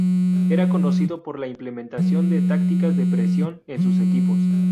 Era conocido por la implementación de tácticas de presión en sus equipos.